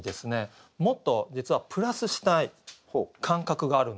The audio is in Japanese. もっと実はプラスしたい感覚があるんですよ。